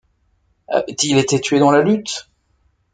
Avaient-ils été tués dans la lutte?